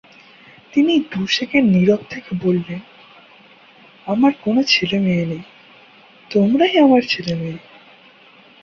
তিনি দু-সেকেন্ড নীরব থেকে বললেন, 'আমার কোনো ছেলেমেয়ে নেই, তোমরা-ই আমার ছেলেমেয়ে।'